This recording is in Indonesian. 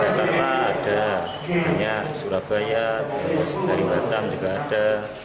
di jakarta ada di surabaya dari batam juga ada